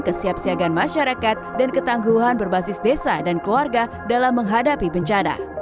kesiapsiagaan masyarakat dan ketangguhan berbasis desa dan keluarga dalam menghadapi bencana